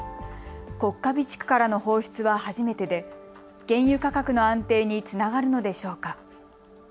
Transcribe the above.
国家備蓄からの放出は初めてで原油価格の安定につながるのでしょうか。